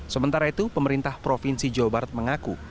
sementara itu pemerintah provinsi jawa barat mengaku